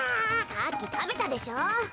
さっきたべたでしょう。